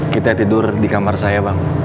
kita tidur di kamar saya bang